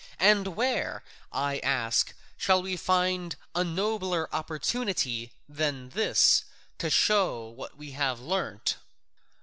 And where, I ask, shall we find a nobler opportunity than this, to show what we have learnt?"